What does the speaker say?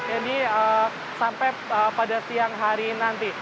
ini sampai pada siang hari nanti